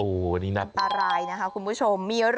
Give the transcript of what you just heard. โอ๊ยนี่น่ากลัวปลารายนะคะคุณผู้ชม